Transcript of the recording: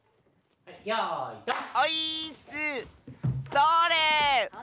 それ！